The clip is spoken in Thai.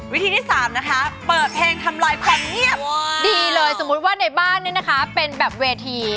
ร้องเพลงใส่ดีราดีราบไก่เข้าไป